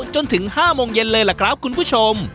จนถึง๕โมงเย็นเลยล่ะครับคุณผู้ชม